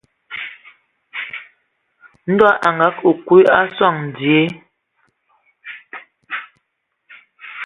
Ndɔ a akə kwi a sɔŋ dzie.